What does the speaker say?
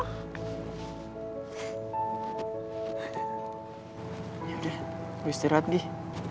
ya udah gue istirahat nih